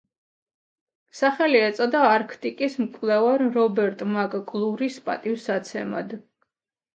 სახელი ეწოდა არქტიკის მკვლევარ რობერტ მაკ-კლურის პატივსაცემად.